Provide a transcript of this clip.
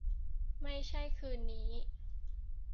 ไม่ใช่คืนนี้